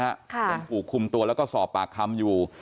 ค่ะก็ปฏิขุมตัวแล้วก็สอบปากคำอยู่